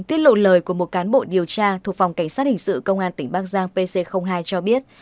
tiết lộ lời của một cán bộ điều tra thuộc phòng cảnh sát hình sự công an tỉnh bắc giang pc hai cho biết